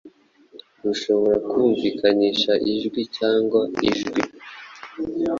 rushobora kumvikanisha ijwi cyangwa ijwi,